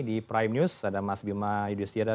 di prime news ada mas bima yudhistiada